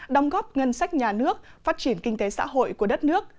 đóng góp ngân sách nhà nước phát triển kinh tế xã hội của đất nước